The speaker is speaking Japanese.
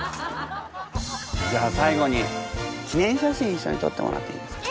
じゃあ最後に記念写真一緒に撮ってもらっていいですか？